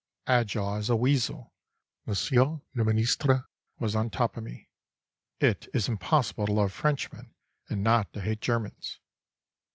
_" Agile as a weasel, Monsieur le Ministre was on top of me: "It is impossible to love Frenchmen and not to hate Germans."